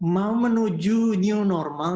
mau menuju new normal